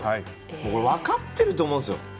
これ分かっていると思うんです。